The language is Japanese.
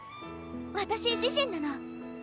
私自身なの。